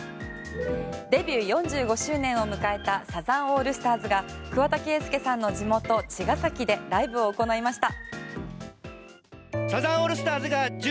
デビュー４５周年を迎えたサザンオールスターズが桑田佳祐さんの地元・茅ヶ崎でライブを行いました。